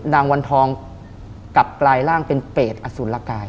วันทองกลับกลายร่างเป็นเปรตอสุรกาย